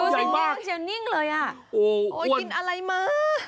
ใหญ่มากโอ้โฮยินอะไรมากโอ้โฮยินอะไรมาก